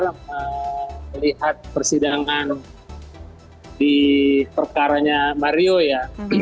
saya melihat persidangan di perkaranya mario ya